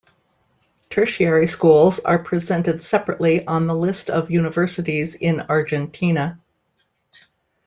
Tertiary schools are presented separately on the list of universities in Argentina.